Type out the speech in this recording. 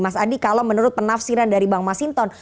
mas adi kalau menurut penafsiran dari bang mas hinton